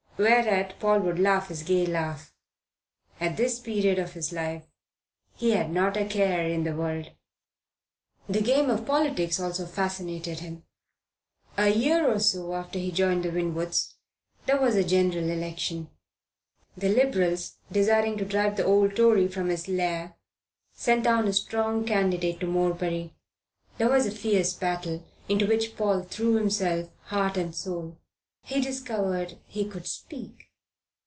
Whereat Paul would laugh his gay laugh. At this period of his life he had not a care in the world. The game of politics also fascinated him. A year or so after he joined the Winwoods there was a General Election. The Liberals, desiring to drive the old Tory from his lair, sent down a strong candidate to Morebury. There was a fierce battle, into which Paul threw himself, heart and soul. He discovered he could speak.